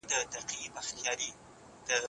په نتيجه کي متردد او شکمن هم د دښمن پلويان کړو!